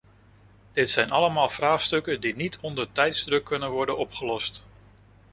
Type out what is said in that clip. Dit zijn allemaal vraagstukken die niet onder tijdsdruk kunnen worden opgelost.